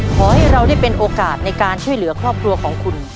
ขอให้เราได้เป็นโอกาสในการช่วยเหลือครอบครัวของคุณ